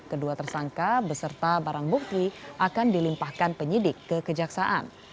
kedua tersangka beserta barang bukti akan dilimpahkan penyidik ke kejaksaan